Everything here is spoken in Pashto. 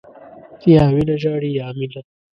یا وینه ژاړي، یا مینه.